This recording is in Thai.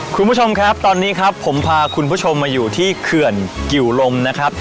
คุณผู้ชมครับตอนนี้ครับผมพาคุณผู้ชมมาอยู่ที่เขื่อนกิวลมนะครับ